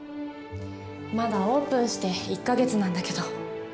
まだオープンして１か月なんだけど。